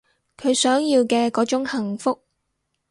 佢想要嘅嗰種幸福